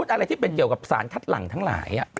อะไรที่เป็นเกี่ยวกับสารคัดหลังทั้งหลาย